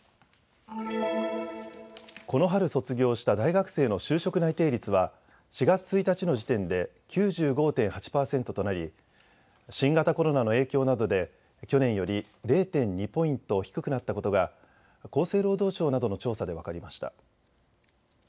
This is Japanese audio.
この春卒業した大学生の就職内定率は４月１日の時点で９５．８％となり新型コロナの影響などで去年より０．２ポイント低くなったことが厚生労働省などの調査で分かりました。